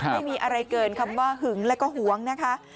ไม่มีอะไรเกินคำว่าหึงแล้วก็หวงนะคะ